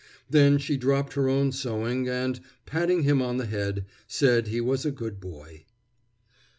Then she dropped her own sewing, and, patting him on the head, said he was a good boy.